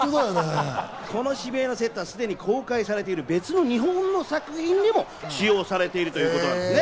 この渋谷のセットはすでに公開されている別の日本の作品にも使用されているということなんですね。